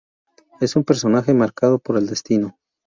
Es un personaje marcado por el destino.